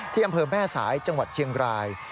อำเภอแม่สายจังหวัดเชียงราย